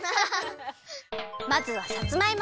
まずはさつまいも！